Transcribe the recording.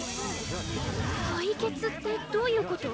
対決ってどういうこと？